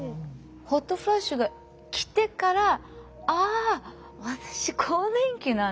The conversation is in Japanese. ホットフラッシュが来てから「あ私更年期なんだ」って思ったんです。